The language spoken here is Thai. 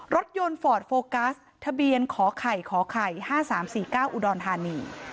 รถยนต์ฟอร์ดโฟกัสทะเบียนขอไข่ขอไข่๕๓๔๙อุดรธานี